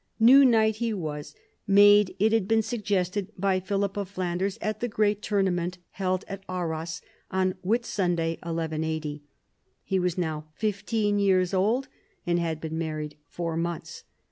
New knight he was — made, it has been suggested, by Philip of Flanders at the great tournament held at Arras on Whit Sunday 1180. He was now fifteen years old, and had been married four months.